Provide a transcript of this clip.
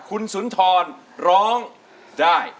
คุณสุนทรร้องได้